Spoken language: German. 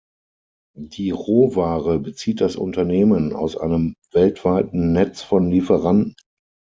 Die Rohware bezieht das Unternehmen aus einem weltweiten Netz von Lieferanten.